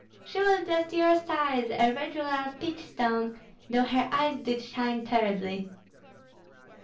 She was just your size, a regular peach stone, though her eyes did shine terribly."